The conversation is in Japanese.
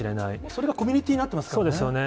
それがコミュニティーになっそうですよね。